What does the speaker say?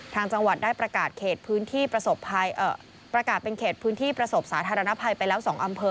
ทางจังหวัดได้ประกาศเป็นเขตพื้นที่ประสบสาธารณภัยไปแล้ว๒อำเภอ